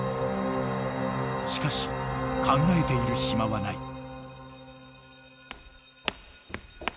［しかし考えている暇はない］